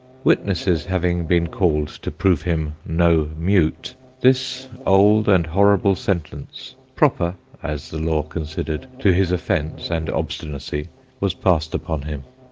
Witnesses having been called to prove him no mute, this old and horrible sentence, proper (as the law considered) to his offence and obstinacy, was passed upon him.